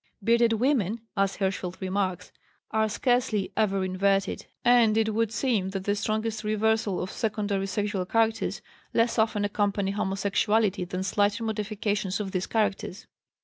"Bearded women," as Hirschfeld remarks, are scarcely ever inverted, and it would seem that the strongest reversals of secondary sexual characters less often accompany homosexuality than slighter modifications of these characters.